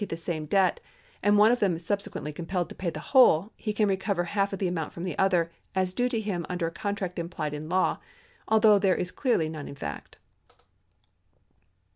* 2e 434 THE LAW OF OBLIGATIONS [§ 170 same debt, and one of them is subsequently compelled to pay the whole, he can recover half of the amount from the other, as due to him under a contract implied in law, although there is clearly none in fact.